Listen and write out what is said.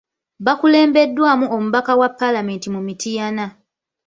Bakulembeddwamu omubaka wa Paalamenti mu Mityana.